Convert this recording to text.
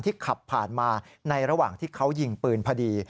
ขับผ่านมาในระหว่างที่เขายิงปืนพอดี